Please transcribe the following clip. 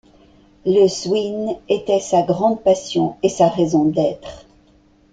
Le Zwin était sa grande passion et sa raison d’être.